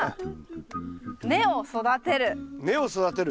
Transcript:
根を育てる。